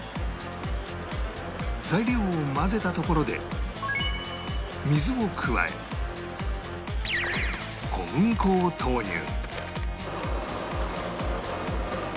材料を混ぜたところで水を加え小麦粉を投入